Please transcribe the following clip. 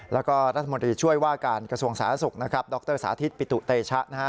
แล้วก็รัฐมนตรีช่วยว่าการกระทรวงศาลสุขดรสาธิตปิตุเตชะ